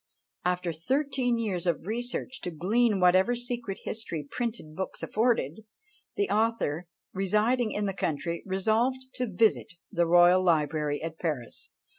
After thirteen years of researches to glean whatever secret history printed books afforded, the author, residing in the country, resolved to visit the royal library at Paris.